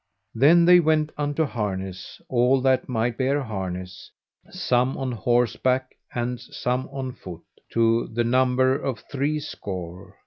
Then they went unto harness, all that might bear harness, some on horseback and some on foot, to the number of three score.